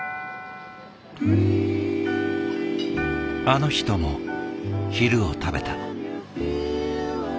あの人も昼を食べた。